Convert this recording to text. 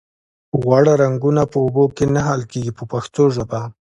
غوړ رنګونه په اوبو کې نه حل کیږي په پښتو ژبه.